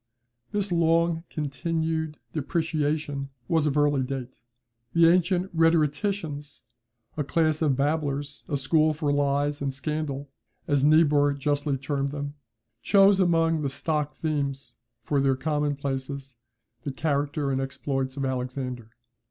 This long continued depreciation was of early date. The ancient rhetoricians a class of babblers, a school for lies and scandal, as Niebuhr justly termed them chose among the stock themes for their commonplaces, the character and exploits of Alexander.